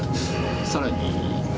さらに。